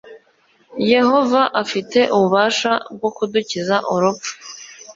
Yehova afite ububasha bwo kudukiza urupfu